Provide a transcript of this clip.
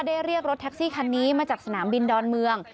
เรียกรถแท็กซี่คันนี้มาจากสนามบินดอนเมือง